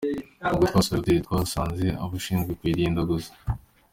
Ubwo twasuraga iyi hotel twahasanze abashinzwe kuyirinda gusa.